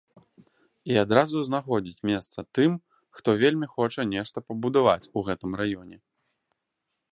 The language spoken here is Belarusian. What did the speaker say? І адразу знаходзіць месца тым, хто вельмі хоча нешта пабудаваць у гэтым раёне.